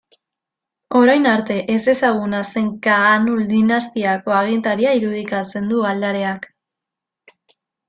Orain arte ezezaguna zen Kaanul dinastiako agintaria irudikatzen du aldareak.